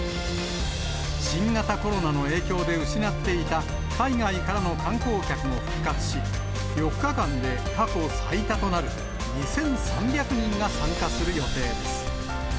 新型コロナの影響で失っていた海外からの観光客も復活し、４日間で過去最多となる２３００人が参加する予定です。